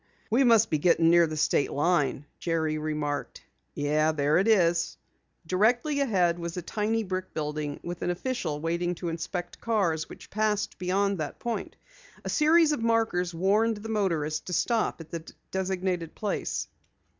"We must be getting near the state line," Jerry remarked. "Yeah, there it is." Directly ahead was a tiny brick building with an official waiting to inspect cars which passed beyond that point. A series of markers warned the motorist to halt at the designated place.